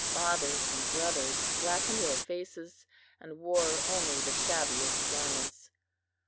Fathers and brothers blackened their faces, and wore only the shabbiest garments.